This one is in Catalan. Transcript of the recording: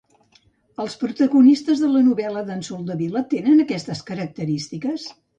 Els protagonistes de la novel·la d'en Soldevila tenen aquestes característiques?